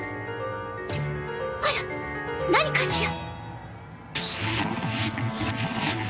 あら何かしら？